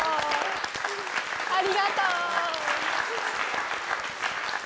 ありがとう！